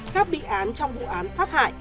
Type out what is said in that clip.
các bị án trong vụ án sát hại